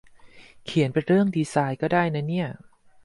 เขียนเป็นเรื่องดีไซน์ก็ได้นะเนี่ย